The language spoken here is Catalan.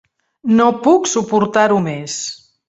No puc suportar-ho més!